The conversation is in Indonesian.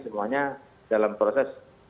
semuanya dalam proses